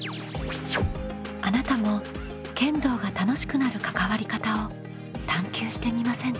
あなたも剣道が楽しくなる関わり方を探究してみませんか？